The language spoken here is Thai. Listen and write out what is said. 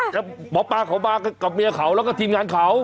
หมอปาก็มากับเมียเขาแล้วก็ทีมงานเขา